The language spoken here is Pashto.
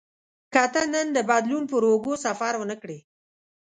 که ته نن د بدلون پر اوږو سفر ونه کړې.